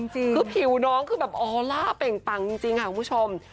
คือผิวน้องคือแบบออลล่าเป่งปังจริงค่ะคุณผู้ชม